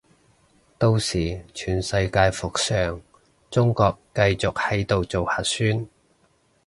到時全世界復常，中國繼續喺度做核酸